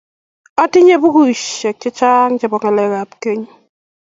Otinye bukuisiek chechang chebo ngalekap keny